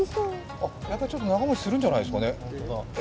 やっぱりちょっと長もちするんじゃないですかね。